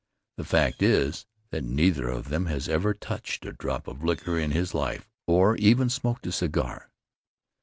The fact is that neither of them has ever touched a drop of liquor in his life of even smoked a cigar.